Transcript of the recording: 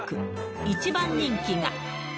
一番人気が。